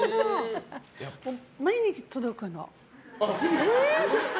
毎日届くの。